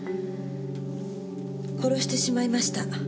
殺してしまいました。